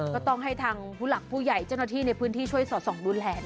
ก็ต้องให้ทางผู้หลักผู้ใหญ่เจ้าหน้าที่ในพื้นที่ช่วยสอดส่องดูแล